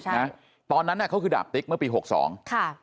ใช่นะตอนนั้นน่ะเขาคือดาบติ๊กเมื่อปีหกสองค่ะ